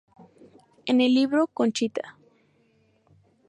En el libro "Conchita.